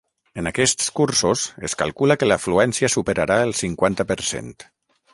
En aquests cursos es calcula que l’afluència superarà el cinquanta per cent.